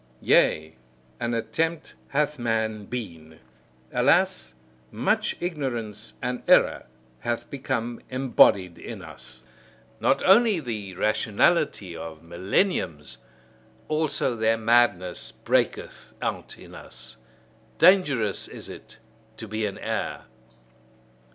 Yea, an attempt hath man been. Alas, much ignorance and error hath become embodied in us! Not only the rationality of millenniums also their madness, breaketh out in us. Dangerous is it to be an heir.